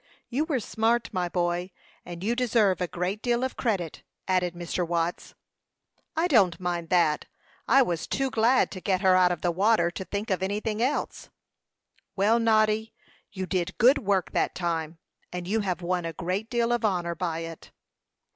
"You were smart, my boy, and you deserve a great deal of credit," added Mr. Watts. "I don't mind that; I was too glad to get her out of the water to think of anything else." "Well, Noddy, you did good work that time, and you have won a great deal of honor by it."